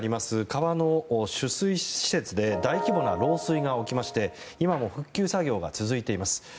川の取水施設で大規模な漏水が起きまして今も復旧作業が続いています。